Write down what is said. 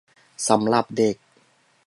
สำหรับเด็ก